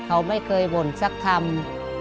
เขาไม่เคยบ่นสักคำ